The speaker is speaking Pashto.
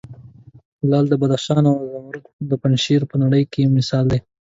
لعل د بدخشان او زمرود د پنجشیر په نړې کې بې مثال دي.